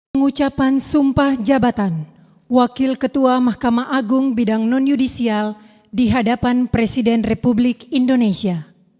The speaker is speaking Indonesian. pengucapan sumpah jabatan wakil ketua mahkamah agung bidang non yudisial di hadapan presiden republik indonesia